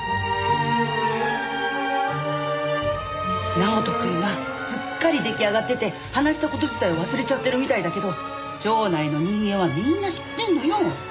直人くんはすっかり出来上がってて話した事自体忘れちゃってるみたいだけど町内の人間はみんな知ってんのよ。